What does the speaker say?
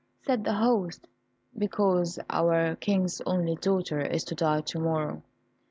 Said the host, "Because our King's only daughter is to die to morrow."